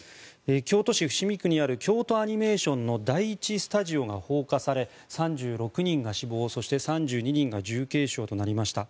京都市伏見区にある京都アニメーションの第１スタジオが放火され３６人が死亡、そして３２人が重軽傷となりました。